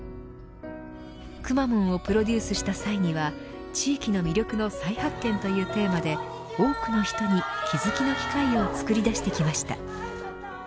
くまモンをプロデュースした際には地域の魅力の再発見というテーマで、多くの人に気付きの機会をつくり出してきました。